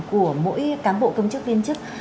của mỗi cán bộ công chức viên chức